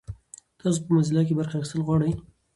تاسو په موزیلا کې برخه اخیستل غواړئ؟